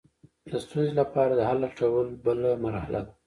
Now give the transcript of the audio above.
د ستونزې لپاره د حل لټول بله مرحله ده.